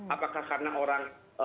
apakah karena orang